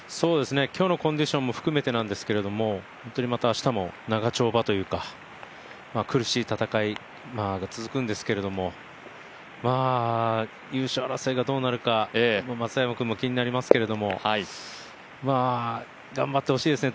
今日のコンディションも含めてですけど本当にまた明日も長丁場というか、苦しい戦いが続くんですが優勝争いがどうなるか松山君も気になりますけど、頑張ってほしいですね。